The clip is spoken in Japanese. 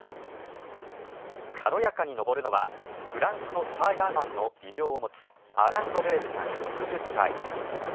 軽やかに登るのはフランスのスパイダーマンの異名を持つアラン・ロベールさん、６０歳。